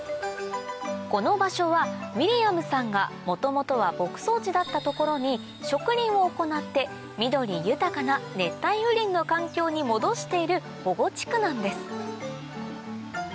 この場所はウィリアムさんが元々は牧草地だった所に植林を行って緑豊かな熱帯雨林の環境に戻している保護地区なんです